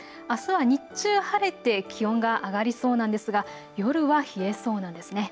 あすは日中晴れて気温が上がりそうなんですが、夜は冷えそうなんです。